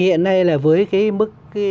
hiện nay là với cái mức